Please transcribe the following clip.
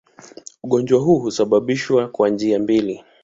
Ugonjwa huu husababishwa kwa njia mbili.